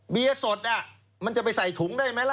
เบียร์สดมันจะไปใส่ถุงได้ไหมล่ะ